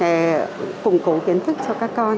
để củng cố kiến thức cho các con